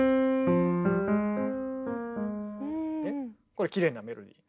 これきれいなメロディー。